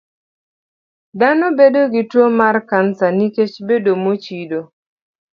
Dhano bedo gi tuo mar kansa nikech bedo mochido.